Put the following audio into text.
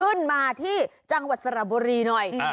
ขึ้นมาที่จังหวัดสระบุรีหน่อย